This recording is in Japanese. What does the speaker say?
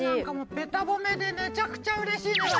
ベタ褒めでめちゃくちゃうれしいネバね。